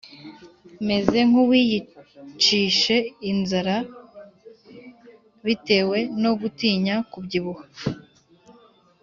meze nkuwiyicishe inzara bitewe no gutinya kubyibuha